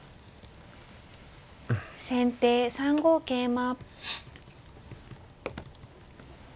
先手３五桂馬。